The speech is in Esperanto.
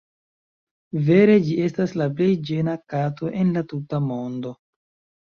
Vere ĝi estas la plej ĝena kato en la tuta mondo.